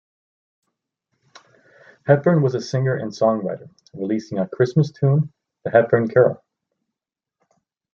Hepburn was a singer and songwriter, releasing a Christmas tune, the "Hepburn Carol".